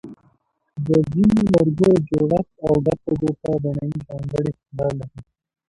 د ځینو لرګیو جوړښت او ګرده ګوټه بڼه ځانګړی ښکلا لري.